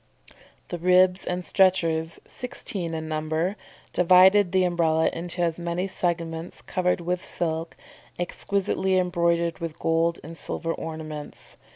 The ribs and stretchers, sixteen in number, divided the Umbrella into as many segments, covered with silk, exquisitely embroidered with gold and silver ornaments.